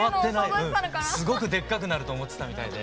すごくでっかくなると思ってたみたいで。